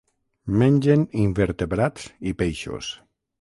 Mengen invertebrats i peixos.